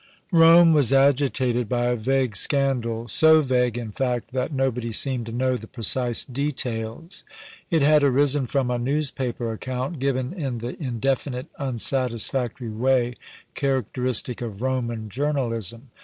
Rome was agitated by a vague scandal, so vague, in fact, that nobody seemed to know the precise details. It had arisen from a newspaper account, given in the indefinite, unsatisfactory way characteristic of Roman journalism.